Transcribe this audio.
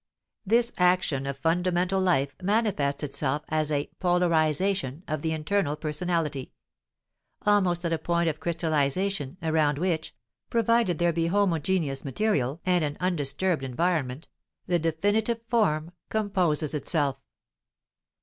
This action of fundamental life manifests itself as a polarization of the internal personality: almost at a point of crystallization, around which, provided there be homogeneous material and an undisturbed environment, the definitive form composes itself.